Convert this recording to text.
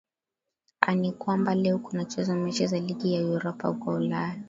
a ni kwamba leo kunachezwa mechi za ligi ya uropa huko ulaya